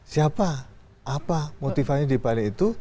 siapa apa motivalnya dibalik itu